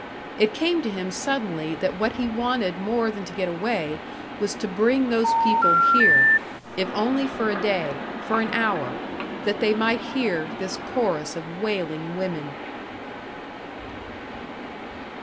It came to him suddenly that what he wanted more than to get away was to bring those people here, if only for a day, for an hour, that they might hear this chorus of wailing women!